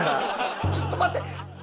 ちょっと待て！